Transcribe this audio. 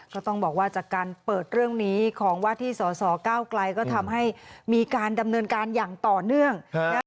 ก็ต้องบอกว่าจากการเปิดเรื่องนี้ของว่าที่สสเก้าไกลก็ทำให้มีการดำเนินการอย่างต่อเนื่อง